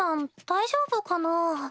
大丈夫かな？